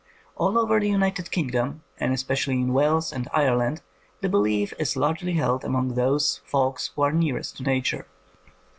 All over the United Kingdom, and especially in Wales and Ireland, the belief is largely held among those folks who are nearest to Nature.